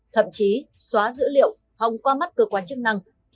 thậm chí xóa dữ liệu hòng qua mắt cơ quan chức năng